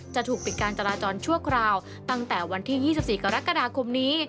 จะถูกปิดการจราจรชั่วคราวตั้งแต่วันที่๒๔กรกฎาคมนี้